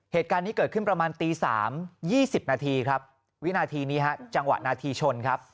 เหตุการณ์นี้เกิดขึ้นประมาณตี๓๒๐นาทีครับวินาทีนี้ฮะจังหวะนาทีชนครับ